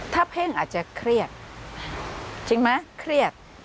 ถ้าเพ่งอาจจะเครียด